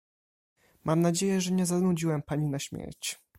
Mam nadzieję, że nie zanudziłem pani na śmierć.